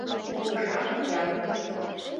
Куржам ялым.